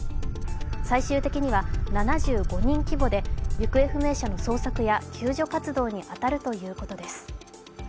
最終的には７５人規模で行方不明者の捜索や救助活動に当たるということです。